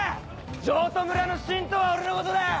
城戸村の信とは俺のことだ！